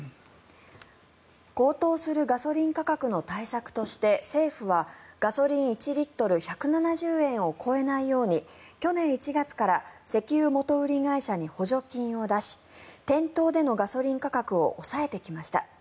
高騰するガソリン価格の対策として、政府はガソリン１リットル１７０円を超えないように去年１月から石油元売り会社に補助金を出し店頭でのガソリン価格を抑えてきました。